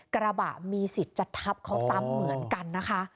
กระบะมีสิทธิ์จะทับเขาซ้ำเหมือนกันนะคะ